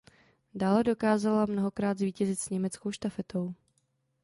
Dále dokázala mnohokrát zvítězit s německou štafetou.